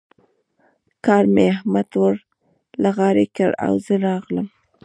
کار مې احمد ته ور له غاړې کړ او زه راغلم.